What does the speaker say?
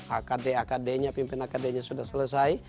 akd akd nya pimpinan akd nya sudah selesai